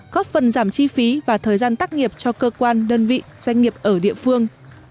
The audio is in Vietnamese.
góp phần giảm chi phí và thời gian tác nghiệp cho cơ quan đơn vị doanh nghiệp ở địa phương